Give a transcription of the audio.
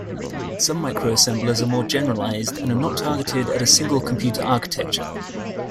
Some microassemblers are more generalized and are not targeted at a single computer architecture.